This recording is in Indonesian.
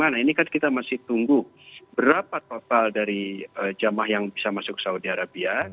nah ini kan kita masih tunggu berapa total dari jamaah yang bisa masuk ke saudi arabia